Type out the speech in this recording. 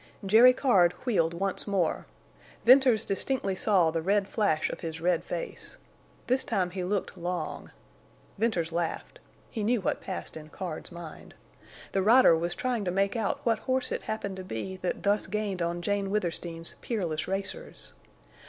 Jerry Card wheeled once more. Venters distinctly saw the red flash of his red face. This time he looked long. Venters laughed. He knew what passed in Card's mind. The rider was trying to make out what horse it happened to be that thus gained on Jane Withersteen's peerless racers.